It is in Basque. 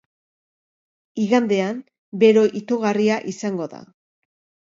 Igandean bero itogarria izango da.